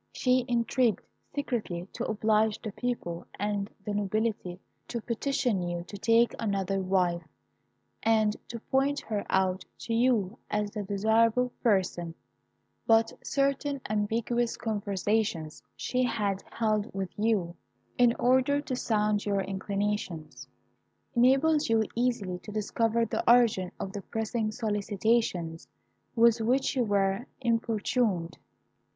She intrigued secretly to oblige the people and the nobility to petition you to take another wife, and to point her out to you as the desirable person; but certain ambiguous conversations she had held with you, in order to sound your inclinations, enabled you easily to discover the origin of the pressing solicitations with which you were importuned.